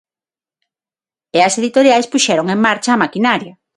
E as editoriais puxeron en marcha a maquinaria.